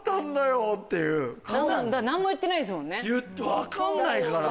分かんないから。